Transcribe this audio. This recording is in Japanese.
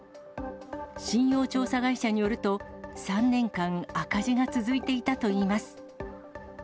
信用調査会社によると、３年間赤字が続いていたといいます。